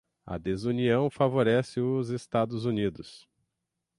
a desunião favorece os Estados Unidos